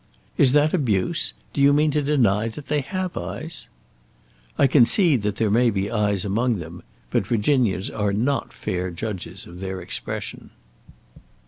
"Is that abuse? Do you mean to deny that they have eyes?" "I concede that there may be eyes among them; but Virginians are not fair judges of their expression."